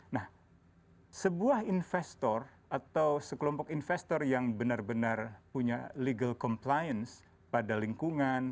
nah sebuah investor atau sekelompok investor yang benar benar punya legal compliance pada lingkungan